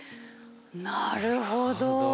なるほど。